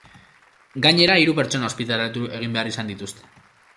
Gainera, hiru pertsona ospitaleratu egin behar izan dituzte.